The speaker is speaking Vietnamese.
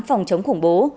phòng chống khủng bố